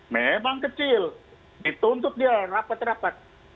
memang kecil dituntut dia rapat rapat